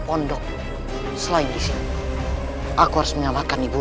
pendok selain aku harus menyelamatkan ibu